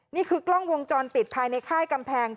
นี่คือกล้องวงจรปิดภายในค่ายกำแพง